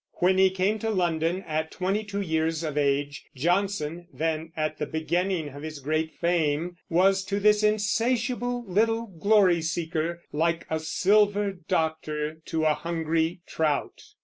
When he came to London, at twenty two years of age, Johnson, then at the beginning of his great fame, was to this insatiable little glory seeker like a Silver Doctor to a hungry trout.